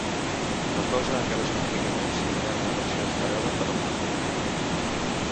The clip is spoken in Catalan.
La cosa encara es complica més si mirem la inversió esperada per al dos mil vint.